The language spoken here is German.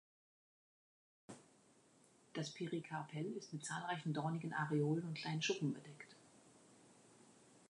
Das Perikarpell ist mit zahlreichen dornigen Areolen und kleinen Schuppen bedeckt.